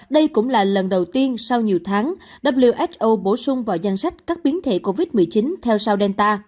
đây cũng là lần đầu tiên sau nhiều tháng who bổ sung vào danh sách các biến thể covid một mươi chín